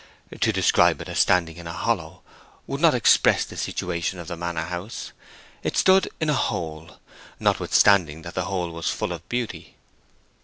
To describe it as standing in a hollow would not express the situation of the manor house; it stood in a hole, notwithstanding that the hole was full of beauty.